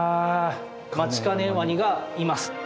マチカネワニがいます。